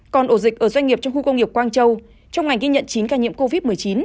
còn ổ dịch ở doanh nghiệp trong khu công nghiệp quang châu trong ngành ghi nhận chín ca nhiễm covid một mươi chín